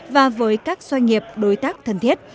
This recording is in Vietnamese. và với các doanh nghiệp đối tác thân thiết